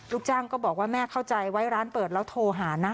ลูกจ้างก็บอกว่าแม่เข้าใจไว้ร้านเปิดแล้วโทรหานะ